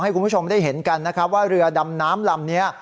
คุณผู้ชมได้เห็นกันนะครับว่าเรือดำน้ำลำนี้